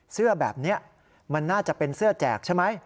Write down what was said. เสื้อแบบนี้มันน่าจะเป็นเสื้อแจกใช่ไหม